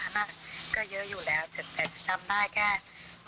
หน้าตาก็ไม่ได้ยิ้มแย้มหน้าตาก็ไม่ได้ยิ้มแย้ม